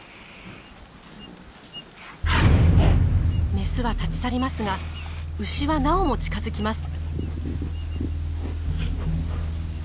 メスは立ち去りますが牛はなおも近づきます。